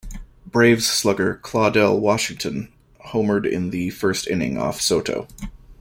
Braves slugger Claudell Washington homered in the first inning off Soto.